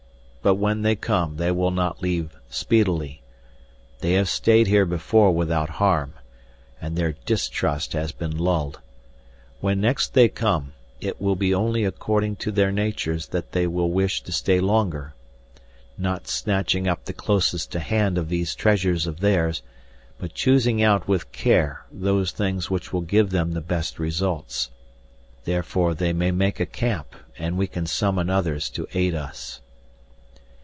But when they come they will not leave speedily. They have stayed here before without harm, and their distrust has been lulled. When next they come, it will be only according to their natures that they will wish to stay longer. Not snatching up the closest to hand of these treasures of theirs, but choosing out with care those things which will give them the best results. Therefore they may make a camp, and we can summon others to aid us."